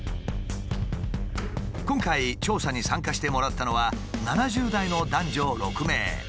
今回調査に参加してもらったのは７０代の男女６名。